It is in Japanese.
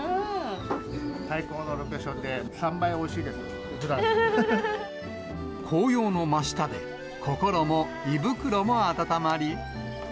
最高のロケーションで３倍お紅葉の真下で、心も胃袋も温まり。